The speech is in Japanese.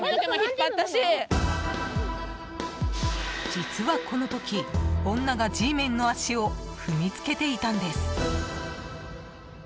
実は、この時女がＧメンの足を踏みつけていたんです。